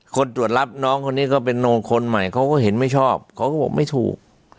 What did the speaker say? ตรวจรับน้องคนนี้ก็เป็นโนคนใหม่เขาก็เห็นไม่ชอบเขาก็บอกไม่ถูก